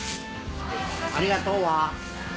「ありがとう」は？